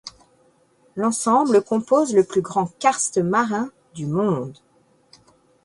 L'ensemble compose le plus grand karst marin du monde.